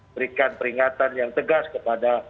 berikan peringatan yang tegas kepada